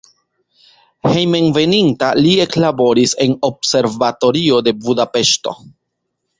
Hejmenveninta li eklaboris en observatorio de Budapeŝto.